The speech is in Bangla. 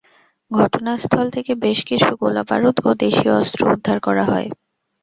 ঘটনাস্থল থেকে বেশ কিছু গোলাবারুদ ও দেশীয় অস্ত্র উদ্ধার করা হয়।